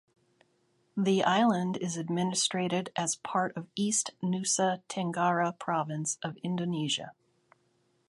The island is administrated as part of East Nusa Tenggara Province of Indonesia.